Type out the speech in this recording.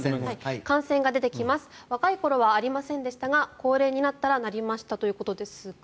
若い頃はありませんでしたが高齢になったらなりましたということですが。